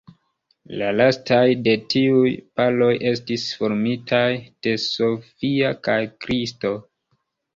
La lastaj de tiuj paroj estis formitaj de Sophia kaj Kristo.